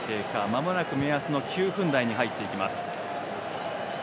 まもなく目安の９分台に入っていきます。